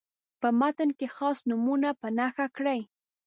په متن کې خاص نومونه په نښه کړئ.